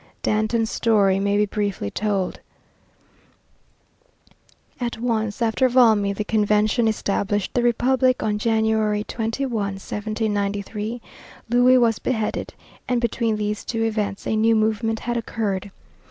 Danton's story may be briefly told. At once after Valmy the Convention established the Republic; on January 21, 1793, Louis was beheaded; and between these two events a new movement had occurred.